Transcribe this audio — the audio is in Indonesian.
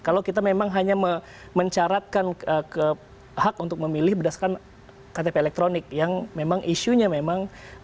kalau kita memang hanya mencaratkan hak untuk memilih berdasarkan ktp elektronik yang memang isunya memang